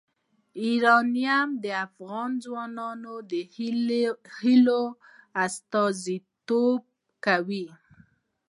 یورانیم د افغان ځوانانو د هیلو استازیتوب کوي.